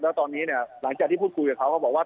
แล้วตอนนี้เนี่ยหลังจากที่พูดคุยกับเขาก็บอกว่า